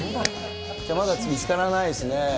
まだ見つからないですね。